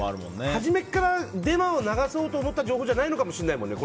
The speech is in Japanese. はじめっからデマを流そうと思った情報じゃないかもしれないしね。